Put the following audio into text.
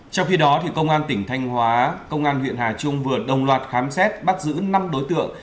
trong khi đó công an tỉnh thanh hóa công an huyện hà trung vừa đồng loạt khám xét bắt giữ năm đối tượng